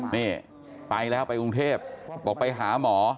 นี่ไปแล้วไปกรุงเทพบอกไปหาหมอ